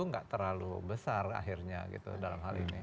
mungkin kekhawatiran itu gak terlalu besar akhirnya gitu dalam hal ini